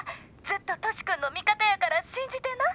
ずっと歳くんの味方やから信じてな！」。